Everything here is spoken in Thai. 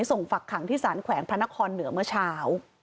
ส่งฝักขังที่สารแขวนพนะคอลเหนือเมื่อเช้า